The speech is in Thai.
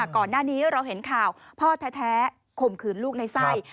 ก่อนหน้านี้เราเห็นข่าวพ่อแท้ข่มขืนลูกในไส้